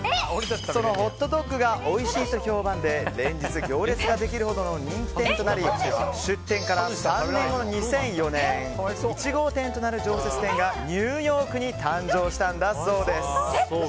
そのホットドッグがおいしいと評判で連日、行列ができるほどの人気店となり出店から３年後の２００４年１号店となる常設店がニューヨークに誕生したんだそうです。